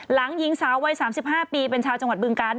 หญิงสาววัย๓๕ปีเป็นชาวจังหวัดบึงการ